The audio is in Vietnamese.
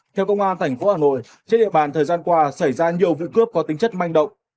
theo công an tp hà nội trên địa bàn thời gian qua xảy ra nhiều vụ cướp có tính chất manh động